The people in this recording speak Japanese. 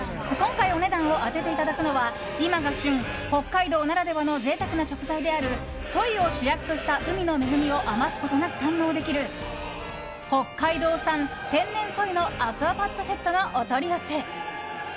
今回お値段を当てていただくのは今が旬、北海道ならではの贅沢な食材であるソイを主役とした海の恵みを余すことなく堪能できる北海道産天然ソイのアクアパッツァセットのお取り寄せ。